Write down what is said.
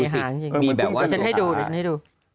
มีแบบว่าฉันให้ดู